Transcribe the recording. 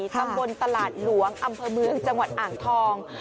ตำบลตลาดหลวงอำเภอเมืองจังหวัดอ่างทอง